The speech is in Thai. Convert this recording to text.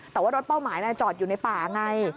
แต่ว่ารถเป้าหมายจอดอยู่ในป่าไง